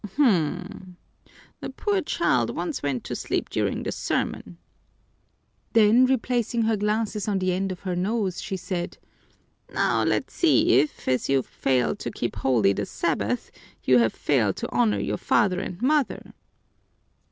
"Hum, ahem! The poor child once went to sleep during the sermon." Then replacing her glasses on the end of her nose, she said, "Now let's see if, just as you've failed to keep holy the Sabbath, you've failed to honor your father and mother."